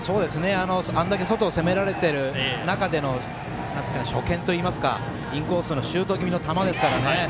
あんだけ外を攻められている中で初見といいますかインコースのシュート気味のボールですからね。